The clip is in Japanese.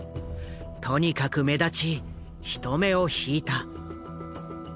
とにかく目立ち人目を引いた。